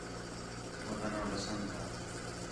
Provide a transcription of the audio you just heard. ہو تا ناں بسنت ہا